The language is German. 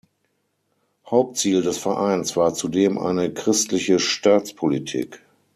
Hauptziel des Vereins war zudem eine „christliche Staatspolitik“.